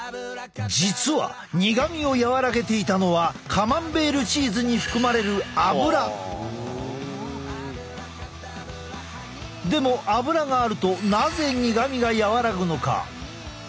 実は苦みを和らげていたのはカマンベールチーズに含まれるでもアブラがあるとなぜ苦みが和らぐのか？